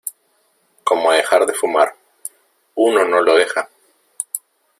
como dejar de fumar. uno no lo deja